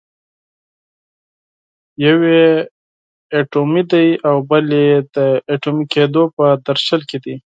یو یې اټومي دی او بل یې د اټومي کېدو په درشل کې دی.